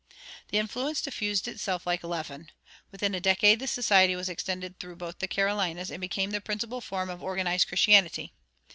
The influence diffused itself like leaven. Within a decade the society was extended through both the Carolinas and became the principal form of organized Christianity.